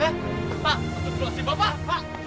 apa berhasil bapak